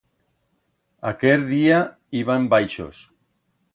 Aquer día iban baixos.